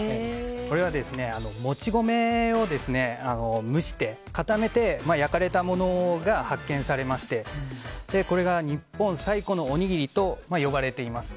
これはもち米を蒸して、固めて焼かれたものが発見されましてこれが日本最古のおにぎりと呼ばれています。